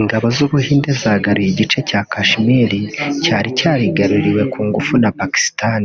Ingabo z’ubuhinde zagaruye igice cya Kashmir cyari cyarigaruriwe ku ngufu na Pakistan